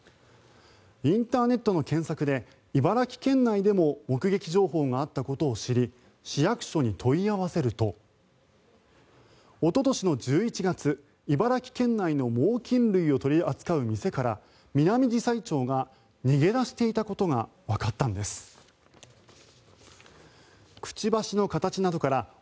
インターネットの検索で茨城県内でも目撃情報があったことを知り市役所に問い合わせるとおととしの１１月、茨城県の猛きん類を取り扱う店からミナミジサイチョウが逃げ出していたことがわかったんです。